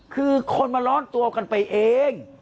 คือคนมาร้อนตัวกันไปเอง